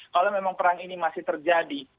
kalau memang perang ini masih terjadi